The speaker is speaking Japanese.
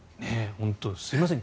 本当に、すいません。